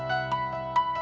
aku mau tidur di rumah